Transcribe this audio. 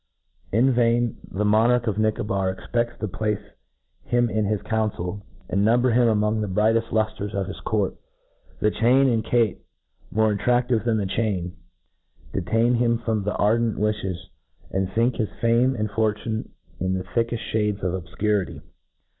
In vain the monarch of Nicobar expeds to place him in his council, and number him among the brighteft luftres of his court ! The^ chain, and Kate more attractive than the chain, detain him from their ardent wiflies, and fink his fame and ' fortune in the thickcft Ihades of obfcurity.'